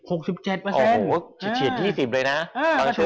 โอ้โหเฉียด๒๐เลยนะตั้งชั่วเนี่ย